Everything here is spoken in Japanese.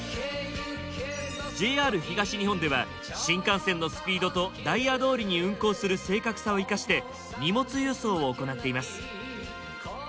ＪＲ東日本では新幹線のスピードとダイヤどおりに運行する正確さを生かして荷物輸送を行っています。